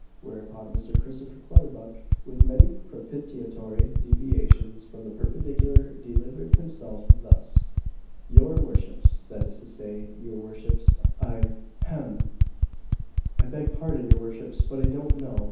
Whereupon Mr. Christopher Clutterbuck, with many propitiatory deviations from the perpendicular, delivered himself thus: "Your worships that is to say, your worships, I hem! I beg pardon, your worships, but I don't know.